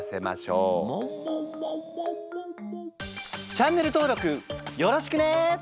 チャンネル登録よろしくね！